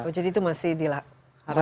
oh jadi itu masih harus dilakukan ya